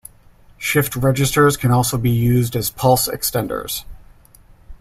Shift registers can also be used as pulse extenders.